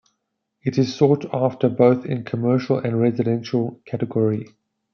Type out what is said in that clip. It is sought after both in commercial and residential category.